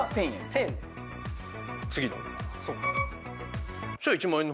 次の？